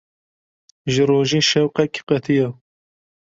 Ji rojê şewqek qetiya.